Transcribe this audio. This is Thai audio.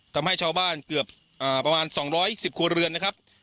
ทำให้ชาวบ้านเกือบประมาณ๒๑๐ครัวเรือนนะครับ